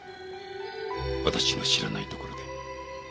私の知らないところで。